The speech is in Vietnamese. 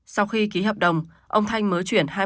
sau khi ký hợp đồng ông thanh mới chuyển hai mươi sáu phương